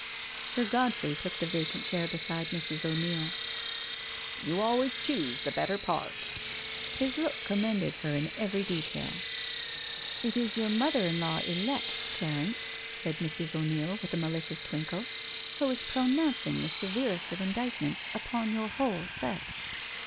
Sir Godfrey took the vacant chair beside Mrs. O'Neil. " You always choose the better part." His look conunended her in every detail. " It is your mother in law elect, Terence," said Mrs. O'Neil with a malicious twinkle, " who is pronounc ing the severest of indictments upon your whole sex."